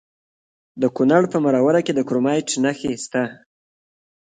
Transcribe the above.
د کونړ په مروره کې د کرومایټ نښې شته.